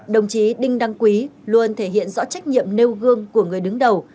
đồng chí đinh đăng quý luôn thể hiện rõ trách nhiệm nêu gương của người đứng đầu